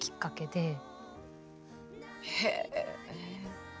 へえ。